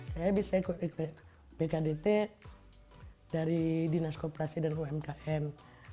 saya bisa ikut bkdt dari dinas koperasi dan umkm